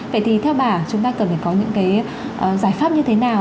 vậy thì theo bà chúng ta cần phải có những cái giải pháp như thế nào